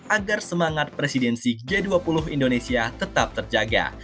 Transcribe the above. agar semangat presidensi g dua puluh indonesia tetap terjaga